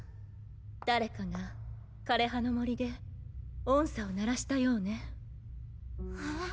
誰かが枯葉の森で音叉を鳴らしたようね。え？